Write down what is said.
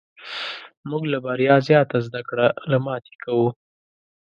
موږ له بریا زیاته زده کړه له ماتې کوو.